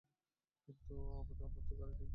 কিন্তু আমার তো গাড়ি নেই, স্যার।